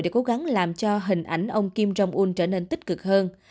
vắng làm cho hình ảnh ông kim jong un trở nên tích cực hơn